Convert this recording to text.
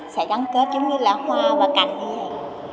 sẽ gắn kết giống như là hoa và cảnh như thế này